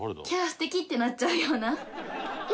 素敵！ってなっちゃうような。